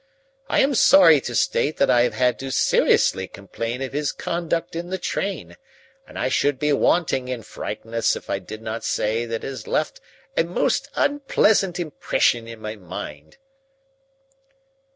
I am sorry to state that I have had to seriously complain of his conduct in the train, and I should be wanting in frankness if I did not say that it has left a most unpleasant impression in my mind."